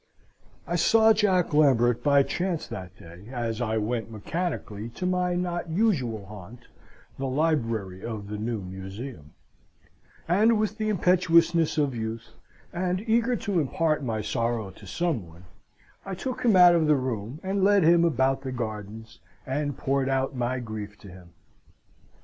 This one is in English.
I saw Jack Lambert by chance that day, as I went mechanically to my not unusual haunt, the library of the new Museum; and with the impetuousness of youth, and eager to impart my sorrow to some one, I took him out of the room and led him about the gardens, and poured out my grief to him.